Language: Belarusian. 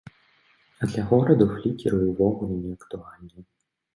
А для гораду флікеры ўвогуле не актуальныя.